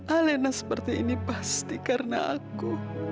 alena seperti ini pasti karena aku